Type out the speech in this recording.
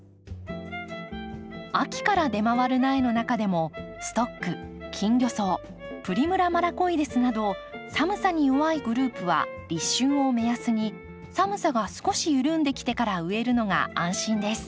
秋から出回る苗の中でもストックキンギョソウプリムラ・マラコイデスなど寒さに弱いグループは立春を目安に寒さが少し緩んできてから植えるのが安心です。